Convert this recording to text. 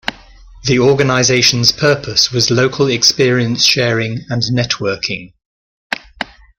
The organisation's purpose was local experience sharing and networking.